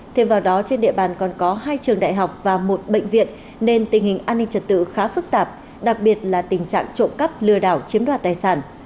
thêm vào đó trên địa bàn còn có hai trường đại học và một bệnh viện nên tình hình an ninh trật tự khá phức tạp đặc biệt là tình trạng trộm cắp lừa đảo chiếm đoạt tài sản